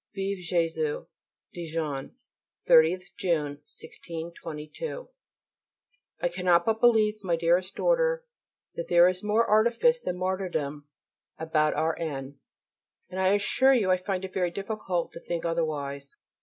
_ Vive [+] Jésus! DIJON, 30th June, 1622. I cannot but believe, my dearest daughter, that there is more artifice than martyrdom about our N., and I assure you I find it very difficult to think otherwise.